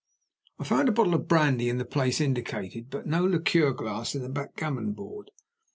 I found the bottle of brandy in the place indicated, but no liqueur glass in the backgammon board.